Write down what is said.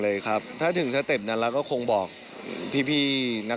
ก็คิดว่าเออถ้าคนมางานเยอะก็น่าจะแบบทำอะไรสนุกให้กับคนที่มางาน